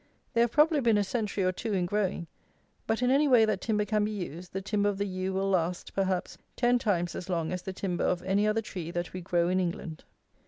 They have probably been a century or two in growing; but, in any way that timber can be used, the timber of the yew will last, perhaps, ten times as long as the timber of any other tree that we grow in England.